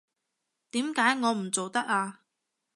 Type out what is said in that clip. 點解我唔做得啊？